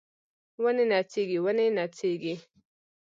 ونې نڅیږي ونې نڅیږي